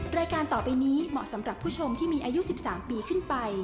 รายการต่อไปนี้เหมาะสำหรับผู้ชมที่มีอายุ๑๓ปีขึ้นไป